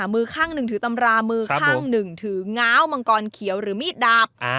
มือข้างหนึ่งถือตำรามือข้างหนึ่งถือง้าวมังกรเขียวหรือมีดดาบ